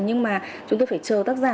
nhưng mà chúng tôi phải chờ tác giả